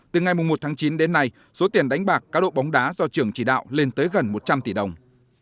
từ ngày một tháng chín đến nay số tiền đánh bạc cá độ bóng đá do trường chỉ đạo lên tới gần một trăm linh tỷ đồng